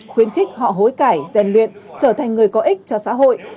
khuyến khích họ hối cải gian luyện trở thành người có ích cho xã hội